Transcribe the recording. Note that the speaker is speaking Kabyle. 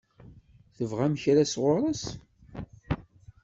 Tebɣam kra sɣur-s?